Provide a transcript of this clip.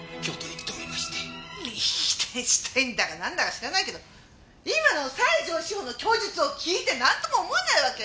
リヒテンシュタインだかなんだか知らないけど今の西条史歩の供述を聞いてなんとも思わないわけ？